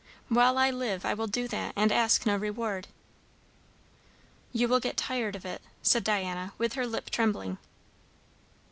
While I live I will do that, and ask no reward." "You will get tired of it," said Diana, with her lip trembling.